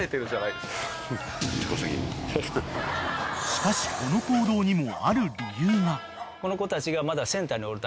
［しかしこの行動にも］